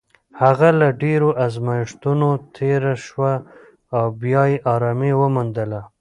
هغه له ډېرو ازمېښتونو تېره شوه او بیا یې ارامي وموندله.